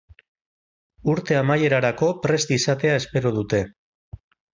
Urte amaierarako prest izatea espero dute.